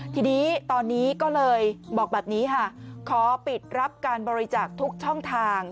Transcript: ทีนี้ตอนนี้ก็เลยบอกแบบนี้ค่ะขอปิดรับการบริจาคทุกช่องทาง